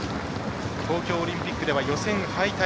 東京オリンピックでは予選敗退。